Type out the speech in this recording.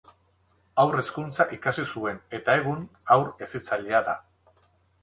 Haur hezkuntza ikasi zuen eta egun, haur hezitzailea da.